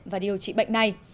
và điều trị bệnh này